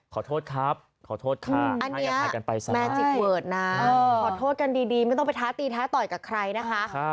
ขอโทษกันดีไม่ต้องไปท้าตีท้าต่อยกับใครนะคะ